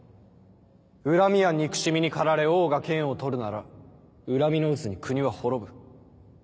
恨みや憎しみに駆られ王が剣を取るなら恨みの渦に国は滅ぶ。